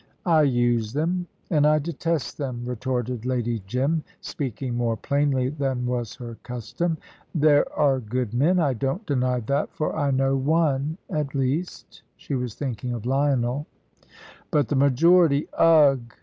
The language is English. "I use them, and I detest them," retorted Lady Jim, speaking more plainly than was her custom. "There are good men I don't deny that, for I know one at least" she was thinking of Lionel; "but the majority ugh!